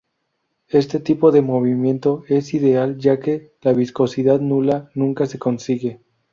Este tipo de movimiento es ideal, ya que la viscosidad nula nunca se consigue.